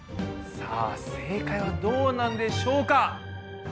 さあ正解はどうなんでしょうか？